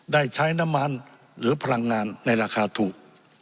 ได้ใช้น้ำมันหรือพลังงานในราคาถูก